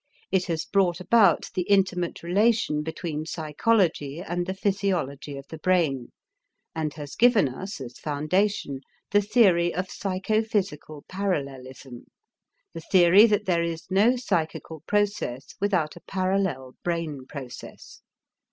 It has brought about the intimate relation between psychology and the physiology of the brain, and has given us, as foundation, the theory of psychophysical parallelism; the theory that there is no psychical process without a parallel brain process.